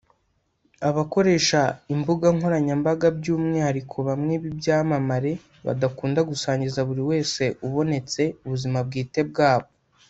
Abakoresha imbuga nkoranyambaga by’umwihariko bamwe b’ibyamamare badakunda gusangiza buri wese ubonetse ubuzima bwite bwabo